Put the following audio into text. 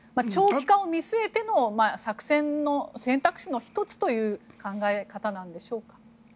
長期化を見据えての作戦の選択肢の１つという考え方なんでしょうか。